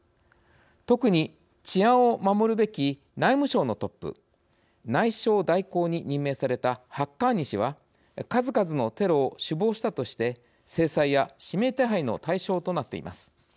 特に治安を守るべき内務省のトップ内相代行に任命されたハッカーニ氏は数々のテロを首謀したとして制裁や指名手配の対象となっています。